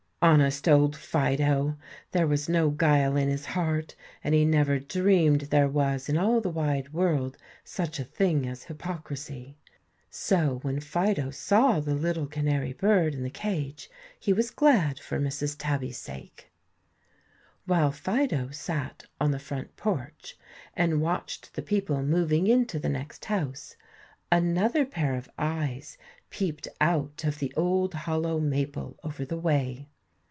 Honest old Fido! There was no guile in his heart, and he never dreamed there was in all the wide world such a sin as hypocrisy. So when Fido saw the little canary bird in the cage he was glad for Mrs. Tabby's sake. While Fido sat on the front porch and watched the people moving into the next house another pair of eyes peeped out of the old hollow maple over the way.